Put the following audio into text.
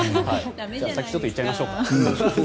先にちょっと行っちゃいましょうか。